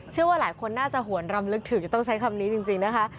เชื่อว่าหลายคนน่าจะหวนรำลึกถึงจะต้องใช้คำนี้จริงนะคะ